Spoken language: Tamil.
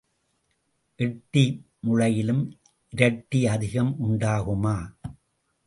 எட்டி முளையிலும் இரட்டி அதிகம் உண்டாகுமா?